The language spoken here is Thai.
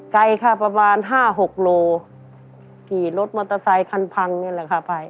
ไกลค่ะประมาณห้าหกโลขี่รถมอเตอร์ไซคันพังนี่แหละค่ะไป